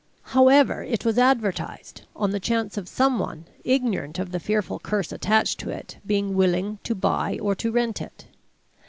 However, it was advertised, on the chance of some one, ignorant of the fearful curse attached to it, being willing to buy or to rent it.